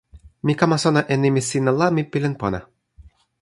mi kama sona e nimi sina la, mi pilin pona!